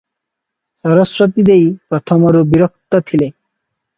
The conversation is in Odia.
ସରସ୍ୱତୀ ଦେଈ ପ୍ରଥମରୁ ବିରକ୍ତ ଥିଲେ ।